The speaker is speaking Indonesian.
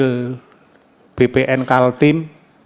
beberapa kali ketemu kakan wil bpn kaltim